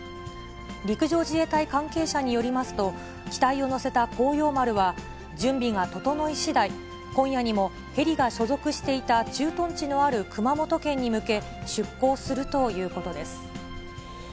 陸上自衛隊関係者によりますと、機体を載せた航洋丸は、準備が整いしだい、今夜にもヘリが所属していた駐屯地のある熊本県に向け、出港するということです。